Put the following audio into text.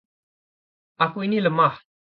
Aku ini lemah.